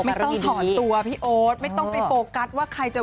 ถึงแทนแบบจะขอออกจากกลุ่ม